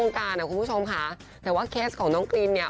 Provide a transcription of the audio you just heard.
การอ่ะคุณผู้ชมค่ะแต่ว่าเคสของน้องกรีนเนี่ย